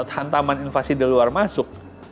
hantaman invasi di luar masuk